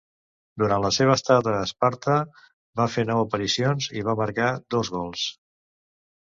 Durant la seva estada a Esparta va fer nou aparicions i va marcar dos gols.